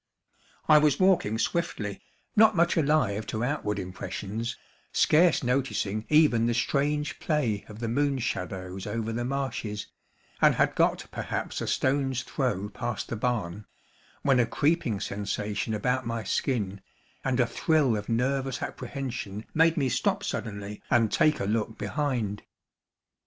I was walking swiftly, not much alive to outward impressions, scarce noticing even the strange play of the moon shadows over the marshes, and had got perhaps a stone's throw past the barn, when a creeping sensation about my skin, and a thrill of nervous apprehension made me stop suddenly and take a look behind.